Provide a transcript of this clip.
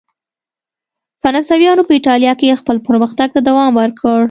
فرانسویانو په اېټالیا کې خپل پرمختګ ته دوام ورکړ.